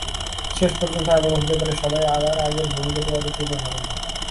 শেষ পর্যন্ত এমনও হতে পারে, সবাই আবার আগের ভূমিকাতেই অবতীর্ণ হবেন।